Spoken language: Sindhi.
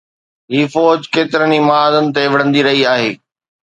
هي فوج ڪيترن ئي محاذن تي وڙهندي رهي آهي.